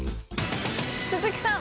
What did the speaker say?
鈴木さん